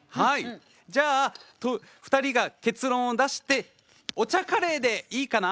じゃあ２人が結論を出してお茶カレーでいいかな？